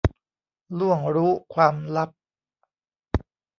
ล่วงรู้ความลับ